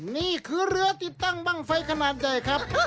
นี่คือเรือติดตั้งบ้างไฟขนาดใหญ่ครับ